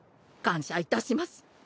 感謝いたします。